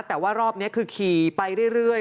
แต่ว่ารอบนี้คือขี่ไปเรื่อย